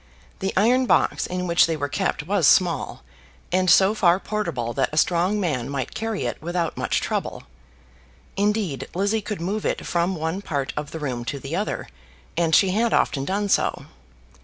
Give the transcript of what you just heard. The iron box in which they were kept was small, and so far portable that a strong man might carry it without much trouble. Indeed, Lizzie could move it from one part of the room to the other, and she had often done so.